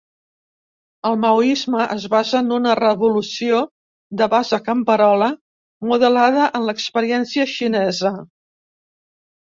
El maoisme es basa en una revolució de base camperola, modelada en l'experiència xinesa.